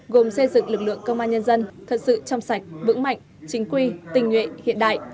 gồm xây dựng lực lượng công an nhân dân thật sự trong sạch vững mạnh chính quy tình nguyện hiện đại